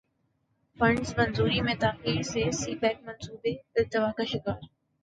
funds منظوری میں تاخیر سے سی پیک منصوبے التوا کا شکار